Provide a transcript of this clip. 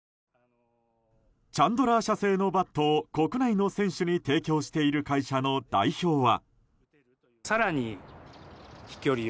チャンドラー社製のバットを国内の選手に提供している会社の代表は。